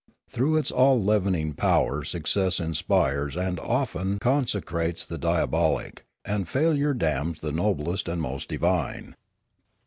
Through its all leavening power success inspires and often con secrates the diabolic, and failure damns the noblest and most divine.